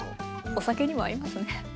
お酒にも合いますね。